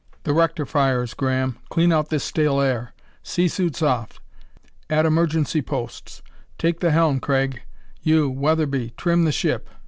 "The rectifiers, Graham: clean out this stale air. Sea suits off; at emergency posts. Take the helm, Craig; you, Wetherby, trim the ship.